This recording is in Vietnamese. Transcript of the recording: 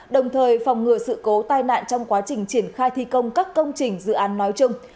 đồng thời phòng ngừa sự cố tai nạn trong quá trình triển khai thi công các công trình dự án nói chung